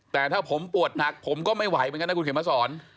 แต่ถ้าผมปวดหนักผมก็ไม่ไหวเหมือนกันนะคุณเขียนมาสอน